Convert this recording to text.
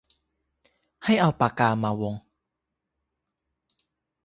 ให้เอาปากกามาวง